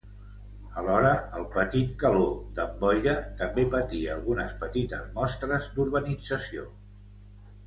Alhora, el petit Caló d'en Boira també patia algunes petites mostres d'urbanització.